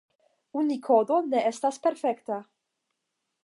Unikodo ne estas perfekta.